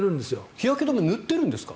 日焼け止め塗ってるんですか？